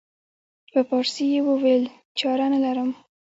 په پارسي یې وویل چاره نه لرم.